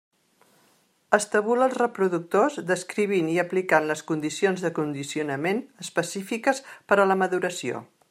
Estabula els reproductors, descrivint i aplicant les condicions de condicionament específiques per a la maduració.